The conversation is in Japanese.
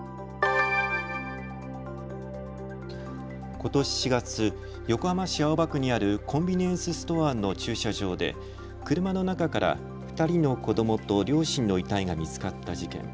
ことし４月、横浜市青葉区にあるコンビニエンスストアの駐車場で車の中から２人の子どもと両親の遺体が見つかった事件。